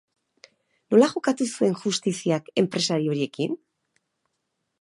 Nola jokatu zuen justiziak enpresari horiekin?